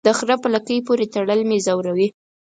د خره په لکۍ پوري تړل مې زوروي.